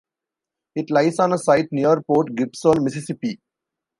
It lies on a site near Port Gibson, Mississippi.